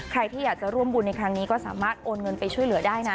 ใครที่อยากจะร่วมบุญในครั้งนี้ก็สามารถโอนเงินไปช่วยเหลือได้นะ